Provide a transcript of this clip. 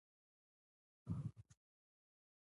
له ځوانۍ ګټه واخلئ